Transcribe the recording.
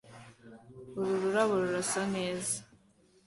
Ururabo rurasa neza